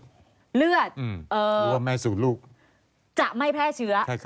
เลือดหรือว่าแม่สู่ลูกจะไม่แพร่เชื้อ